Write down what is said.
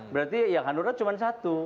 berarti ya hanura cuma satu